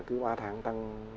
cứ ba tháng tăng